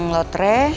terus menang lotre